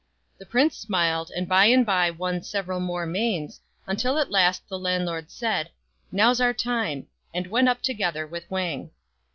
The prince smiled, and by and by won several more mains, until at last the landlord said, " Now's our time," and went up together with Wang.